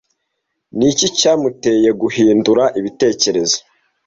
Ni iki cyamuteye guhindura ibitekerezo?